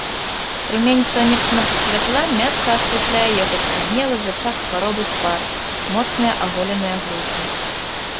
Струмень сонечнага святла мякка асвятляе яго схуднелы за час хваробы твар, моцныя аголеныя грудзі.